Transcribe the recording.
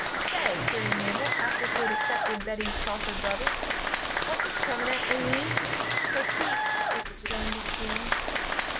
"Say," queried Mabel, after she had accepted Bettie's proffered brother, "what does 'permanently' mean?" "For keeps," explained Jean.